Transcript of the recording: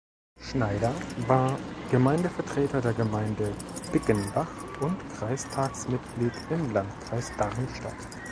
Schneider war Gemeindevertreter der Gemeinde Bickenbach und Kreistagsmitglied im Landkreis Darmstadt.